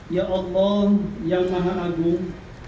ya allah yang maha agung